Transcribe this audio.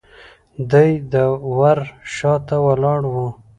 دی د ور شاته ولاړ و.